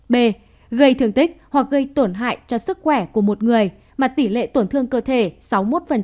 b gây thương tích hoặc gây tổn hại cho sức khỏe của một người mà tỷ lệ tổn thương cơ thể sáu mươi một